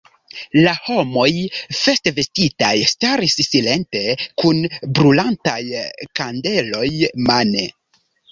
La homoj festvestitaj staris silente kun brulantaj kandeloj mane.